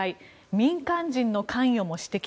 民間人の関与も指摘。